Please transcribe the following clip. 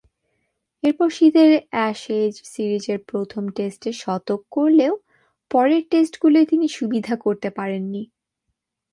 এরপর শীতের অ্যাশেজ সিরিজের প্রথম টেস্টে শতক করলেও পরের টেস্টগুলোয় তিনি সুবিধা করতে পারেননি।